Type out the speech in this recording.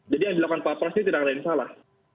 jadi yang dilakukan pak pras ini tidak ada yang salah